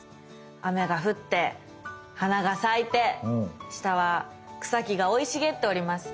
雨が降って花が咲いて下は草木が生い茂っております。